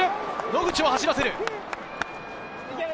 野口を走らせる。